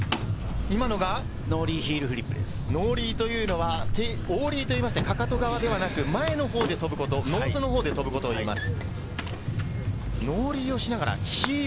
今のは、オーリーと言いまして、かかと側ではなく前の方で飛ぶこと、ノーズのほうで飛ぶことをいいます。